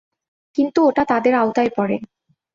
কিন্তু ওটা তাদের আওতায় পড়ে।